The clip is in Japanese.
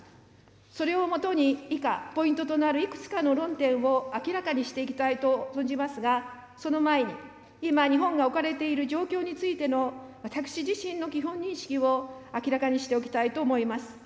それをもとに以下、ポイントとなるいくつかの論点を明らかにしていきたいと存じますが、その前に今日本が置かれている状況についての私自身の基本認識を明らかにしておきたいと思います。